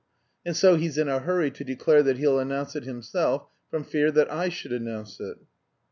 And so he's in a hurry to declare that he'll announce it himself, from fear that I should announce it.